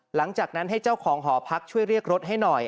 หลังจากนั้นให้เจ้าของหอพักช่วยเรียกรถให้หน่อย